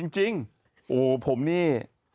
จริงโอ้ผมนี่